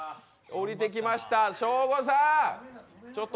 下りてきました、ショーゴさん。